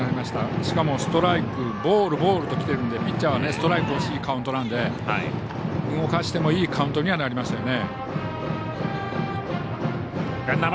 しかもストライク、ボールボールときてるんでピッチャー、ストライクがほしいカウントなので動かしてもいいカウントにはなりました。